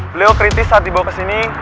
beliau kritis saat dibawa kesini